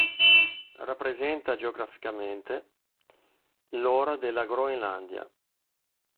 Rappresenta geograficamente l’ora della Groenlandia.